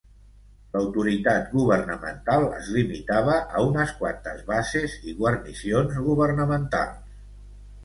L'autoritat governamental es limitava a unes quantes bases i guarnicions governamentals.